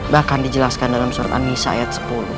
bahkan dijelaskan dalam surat an nisa ayat sepuluh